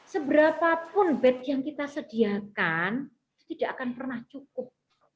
seberapapun bed yang kita sediakan itu tidak akan pernah cukup